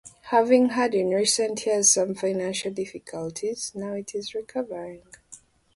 Having had in recent years some financial difficulties, now it is recovering.